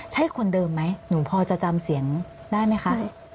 ใช่คนเดิมไหมหนูพอจะจำเสียงได้ไหมคะ